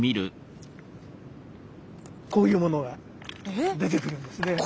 こういうものが出てくるんですね。